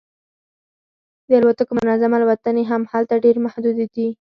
د الوتکو منظم الوتنې هم هلته ډیرې محدودې دي